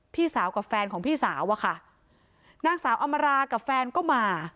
พี่สาวกับแฟนของพี่สาวอะค่ะนางสาวอำมารากับแฟนก็มา